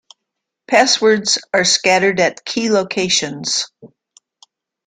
Passwords are scattered at key locations.